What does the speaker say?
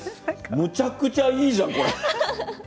めちゃくちゃいいじゃない、これ。